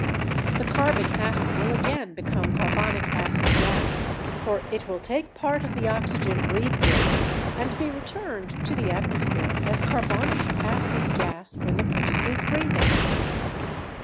The carbon atom will again become carbonic acid gas, for it will take part of the oxygen breathed in, and be returned to the atmosphere as carbonic acid gas when the person is breathing.